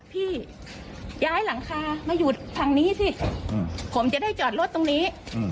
พี่ย้ายหลังคามาอยู่ทางนี้สิผมจะได้จอดรถตรงนี้